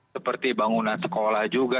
seperti bangunan sekolah juga